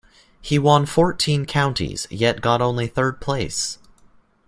He won fourteen counties, yet got only third place.